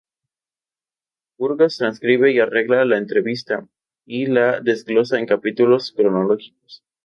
Burgos transcribe y arregla la entrevista, y la desglosa en capítulos cronológicos.